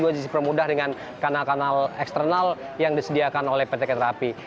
dan juga sudah mudah dengan kanal kanal eksternal yang disediakan oleh ptk kereta api